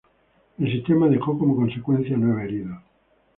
El sismo dejó como consecuencia nueve heridos.